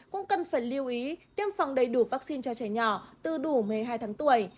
cũng cần phải lưu ý tiêm phòng đầy đủ vaccine cho trẻ nhỏ từ đủ một mươi hai tháng tuổi